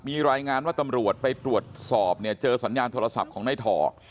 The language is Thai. มีรายงานว่าตำรวจไปตรวจสอบเนี่ยเจอสัญญาณโทรศัพท์ของนายถอก